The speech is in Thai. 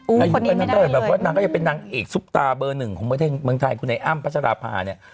อู้คนนี้ไม่ได้เลยนางก็จะเป็นนางเอกซุปตาเบอร์หนึ่งของเมืองไทยคุณไอ้อ้ำปัชฌาภาเนี่ย